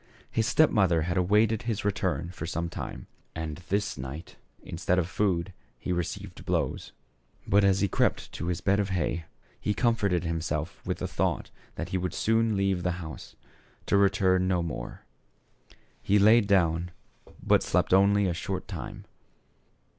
His step mother had awaited his return for some time, and this night instead of food he received blows. But as he crept to his bed of hay, he comforted himself with the thought that he would soon leave the house, to return no more. He laid down, but slept only a short time.